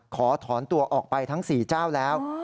ขอถอนตัวออกไปทั้ง๔เจ้าแล้ว